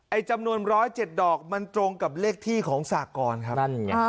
ไอ้จำนวน๑๐๗ดอกมันตรงกับเลขที่ของสากรครับ